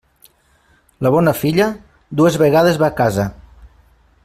La bona filla, dues vegades va a casa.